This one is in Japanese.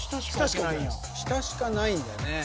下しかないんだね